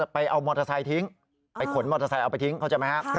ไปเอามอเตอร์ไซค์ทิ้งไปขนมอเตอร์ไซค์เอาไปทิ้งเข้าใจไหมครับ